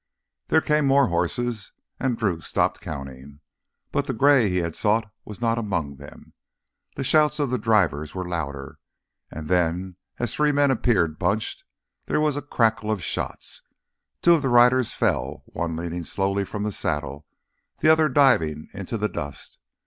There came more horses, and Drew stopped counting. But the gray he sought was not among them. The shouts of the drivers were louder. And then, as three men appeared bunched, there was a crackle of shots. Two of the riders fell, one leaning slowly from the saddle, the other diving into the dust.